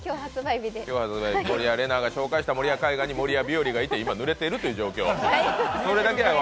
守屋麗奈が紹介した守谷海岸に守谷日和がいってぬれているという状況。